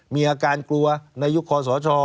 มีอาการกลัวในยุคคอสช